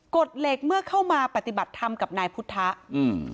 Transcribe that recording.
กฎเหล็กเมื่อเข้ามาปฏิบัติธรรมกับนายพุทธะอืม